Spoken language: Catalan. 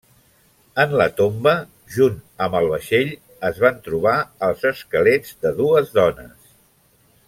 En la tomba, junt amb el vaixell, es van trobar els esquelets de dues dones.